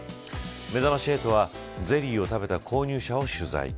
めざまし８はゼリーを食べた購入者を取材。